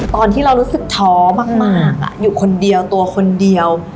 ตอนที่เรารู้สึกท้อมากอยู่คนเดียวตัวคนเดียว